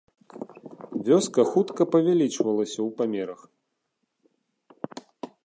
Вёска хутка павялічвалася ў памерах.